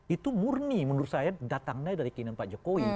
itu murni menurut saya datangnya dari keinginan pak jokowi